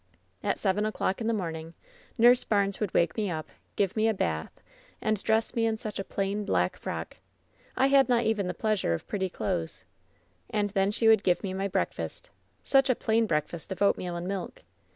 "At seven o'clock in the morning, Nurse Bums would wake me up, give me a bath, and dress me in such a plain black frock ! I had not even the pleasure of pretty clothes! And then she would give me my breakfast — such a plain breakfast of oatmeal and milk!